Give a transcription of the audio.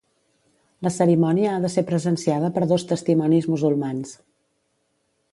La cerimònia ha de ser presenciada per dos testimonis musulmans.